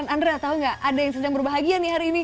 andra tahu nggak ada yang sedang berbahagia nih hari ini